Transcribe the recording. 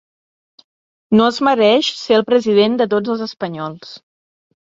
No es mereix ser el president de tots els espanyols.